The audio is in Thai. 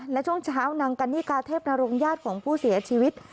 และช่วงเช้านางกันนิกาเทพนรงญาติของผู้เสียชีวิต